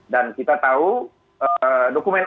dan kita tahu dokumen asli